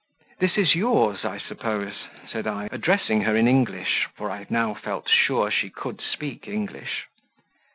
"This is yours, I suppose?" said I, addressing her in English, for I now felt sure she could speak English.